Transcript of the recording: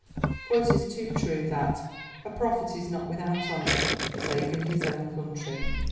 For it is too true that "a prophet is not without honour, save in his own country."